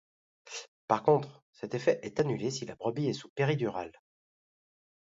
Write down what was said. Par contre, cet effet est annulé si la brebis est sous péridurale.